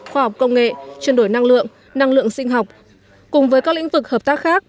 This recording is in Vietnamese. khoa học công nghệ chuyên đổi năng lượng năng lượng sinh học cùng với các lĩnh vực hợp tác khác